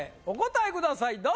お答えください